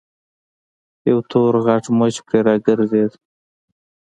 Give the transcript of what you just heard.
يو تور غټ مچ پرې راګرځېد.